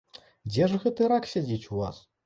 Дзе ж гэты рак сядзіць у вас?